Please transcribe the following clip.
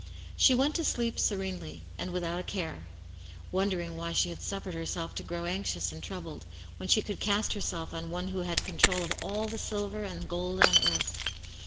She went to sleep serenely, and without a care : wondering why she had suffered herself to grow anxious and troubled, when she could cast herself on One who had control of all the silver and the gold on earth.